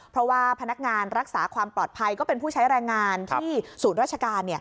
เพราะว่าพนักงานรักษาความปลอดภัยก็เป็นผู้ใช้แรงงานที่ศูนย์ราชการ